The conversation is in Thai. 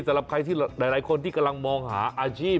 สำหรับใครที่หลายคนที่กำลังมองหาอาชีพ